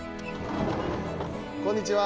こんにちは。